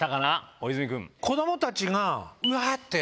大泉君。